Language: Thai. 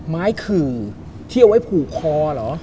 ขื่อที่เอาไว้ผูกคอเหรอ